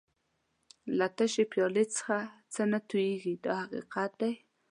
له تشې پیالې څخه څه نه تویېږي دا حقیقت دی.